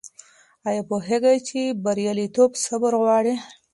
آیا پوهېږې چې بریالیتوب صبر غواړي؟